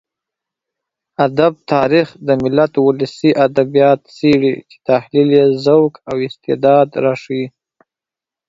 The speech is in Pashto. ادب تاريخ د ملت ولسي ادبيات څېړي چې تحليل يې ذوق او استعداد راښيي.